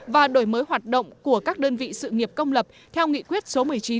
và đổi mới hoạt động của các đơn vị sự nghiệp công lập theo nghị quyết số một mươi chín